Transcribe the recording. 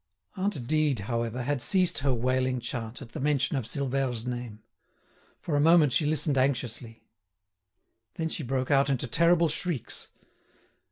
Aunt Dide, however, had ceased her wailing chant at the mention of Silvère's name. For a moment she listened anxiously. Then she broke out into terrible shrieks.